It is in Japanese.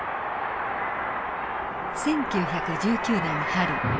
１９１９年春。